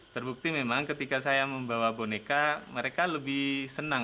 terbukti memang ketika saya membawa boneka mereka lebih senang